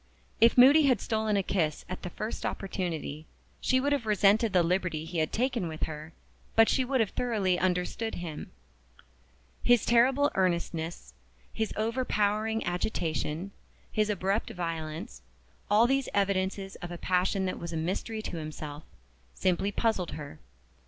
If Moody had stolen a kiss at the first opportunity, she would have resented the liberty he had taken with her; but she would have thoroughly understood him. His terrible earnestness, his overpowering agitation, his abrupt violence all these evidences of a passion that was a mystery to himself simply puzzled her.